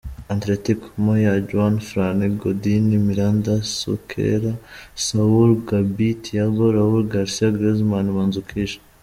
Atlético: Moyà; Juanfran, Godín, Miranda, Siqueira; Saúl, Gabi, Tiago, Raúl García; Griezmann, Mandžukić.